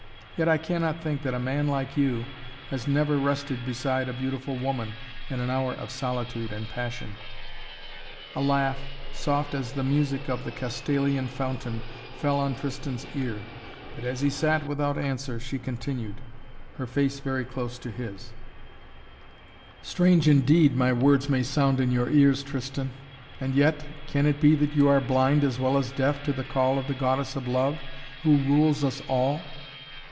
Yet I cannot think that a man like you has never rested beside a beautiful woman in an hour of solitude and passion." A laugh, soft as the music of the Castalian fountain, fell on Tristan's ear, but as he sat without answer, she continued, her face very close to his: "Strange, indeed, my words may sound in your ears, Tristan and yet can it be that you are blind as well as deaf to the call of the Goddess of Love, who rules us all?"